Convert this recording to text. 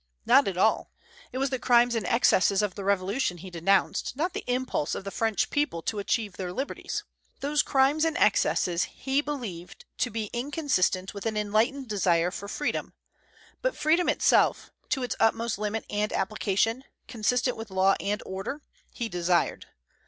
Not at all; it was the crimes and excesses of the Revolution he denounced, not the impulse of the French people to achieve their liberties. Those crimes and excesses he believed to be inconsistent with an enlightened desire for freedom; but freedom itself, to its utmost limit and application, consistent with law and order, he desired.